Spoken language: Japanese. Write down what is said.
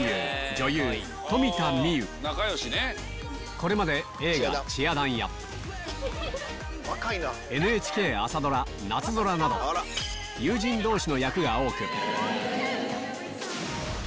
これまで映画『チア☆ダン』やＮＨＫ朝ドラ『なつぞら』など基本的に私。